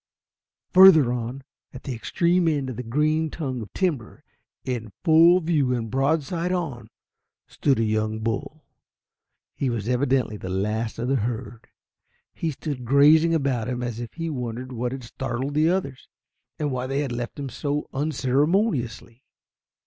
Further on, at the extreme end of the green tongue of timber, in full view and broadside on, stood a young bull. He was evidently the last of the herd. He stood gazing about him as if he wondered what had startled the others, and why they had left him so unceremoniously.